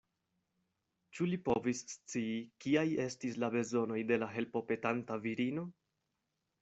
Ĉu li povis scii, kiaj estis la bezonoj de la helpopetanta virino?